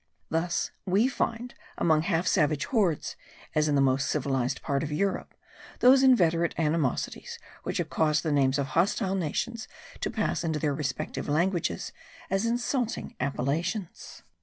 Thus we find among half savage hordes, as in the most civilized part of Europe, those inveterate animosities which have caused the names of hostile nations to pass into their respective languages as insulting appellations.